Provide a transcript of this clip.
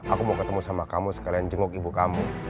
aku mau ketemu sama kamu sekalian jenguk ibu kamu